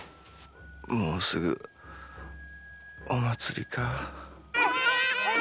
もうすぐお祭りか。